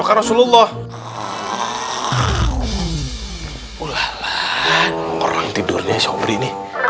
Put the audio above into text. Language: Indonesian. harusnya dengan tidur lain